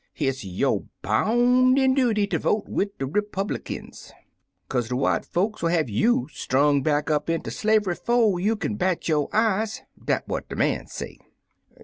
Hit's yo' bounden duty ter vote wid de ripublikins, kazc de white folks '11 have you strung back up inter slave'y 'fo' you kin bat yo' eyes.' Dat what de man say.